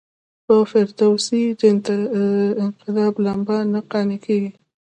د فردوسي د انتقام لمبه نه قانع کیږي.